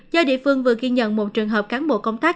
do địa phương vừa ghi nhận một trường hợp cán bộ công tác